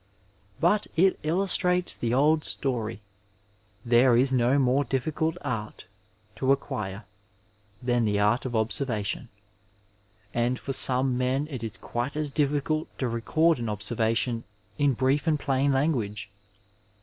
But it illustrates the old story— there is no more difficult art to acquire than the art of observation, and for some men it is quite as difficult to record an observation in brief and plain language.